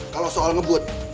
kalau soal ngebut